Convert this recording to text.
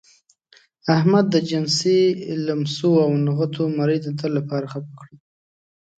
احمد د جنسي لمسو او نغوتو مرۍ د تل لپاره خپه کړه.